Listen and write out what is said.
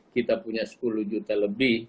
kita punya sepuluh juta lebih